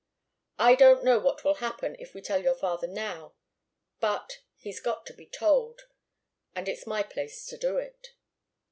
I don't know what will happen if we tell your father now, but he's got to be told, and it's my place to do it."